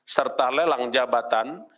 serta lelang jabatan